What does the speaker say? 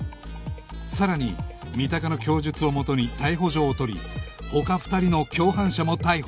さらに三鷹の供述をもとに逮捕状を取り他２人の共犯者も逮捕